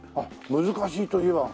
難しいといえば。